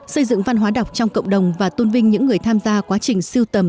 xây dựng văn hóa đọc trong cộng đồng và tôn vinh những người tham gia quá trình siêu tầm